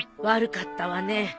悪かったわね。